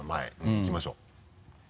いきましょう。